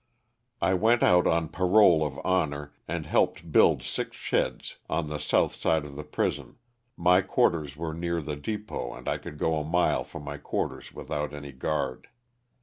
I went out on parole of honor and helped build six sheds on the south side of the prison, my quarters were near the depot and I could go a mile from my quarters without any guard.